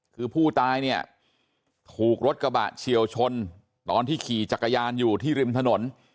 คือผู้ตายเนี่ยถูกรถกระบะเฉียวชนตอนที่ขี่จักรยานอยู่ที่ริมถนน